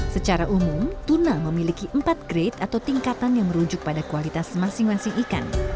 secara umum tuna memiliki empat grade atau tingkatan yang merujuk pada kualitas masing masing ikan